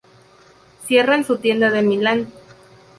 Cierran su tienda de Milán.